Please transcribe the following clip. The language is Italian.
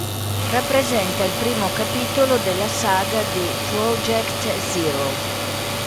Rappresenta il primo capitolo della saga di "Project Zero".